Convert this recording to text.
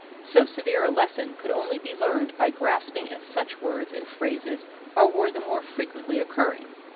So severe a lesson could only be learned by grasping at such words and phrases as were the more frequently recurring.